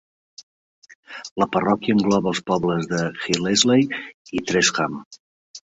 La parròquia engloba els pobles de Hillesley i Tresham.